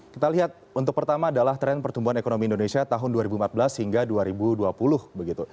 kita lihat untuk pertama adalah tren pertumbuhan ekonomi indonesia tahun dua ribu empat belas hingga dua ribu dua puluh begitu